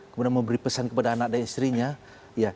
kemudian memberi pesan kepada anak dan istrinya